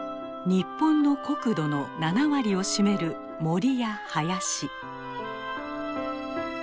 日本の国土の７割を占める森や林。